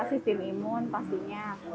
sistem imun pastinya